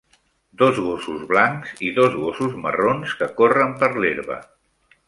Dos gossos blancs i dos gossos marrons que corren per l'herba.